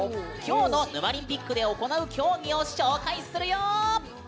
きょうの「ヌマリンピック」で行う競技を紹介するよ！